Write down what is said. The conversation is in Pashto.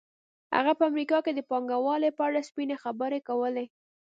هغه په امریکا کې د پانګوالۍ په اړه سپینې خبرې کولې